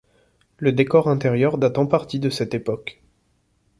Le décor intérieur date en partie de cette époque.